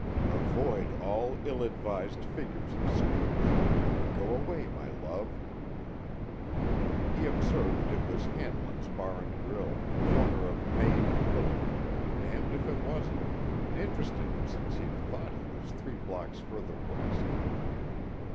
Avoid all ill advised figures of speech. Go away, my love!_ He observed it was Hanlon's Bar and Grill, corner of Main and Willard, damned if it wasn't interesting, since he'd thought he was three blocks further west.